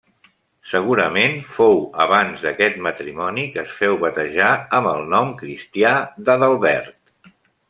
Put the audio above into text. Segurament fou abans d'aquest matrimoni que es féu batejar, amb el nom cristià d'Adalbert.